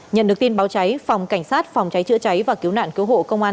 nhận được tin báo cháy phòng cảnh sát phòng cháy chữa cháy và cứu nạn cứu hộ công an